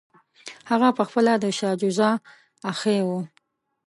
هغه پخپله د شاه شجاع اخښی وو.